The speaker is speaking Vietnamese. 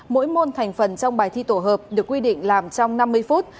mỗi môn thành phần trong bài thi tổ hợp được quy định làm trong năm mươi phút